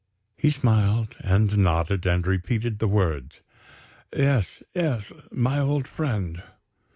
He smiled, and nodded, and repeated the words: "Yes, yes, my old friend."